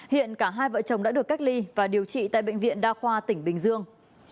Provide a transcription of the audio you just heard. hiện cả hai vợ chồng đã được cách ly và điều trị tại bệnh viện đa khoa tỉnh bình dương